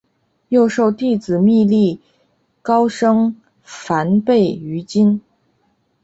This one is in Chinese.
又授弟子觅历高声梵呗于今。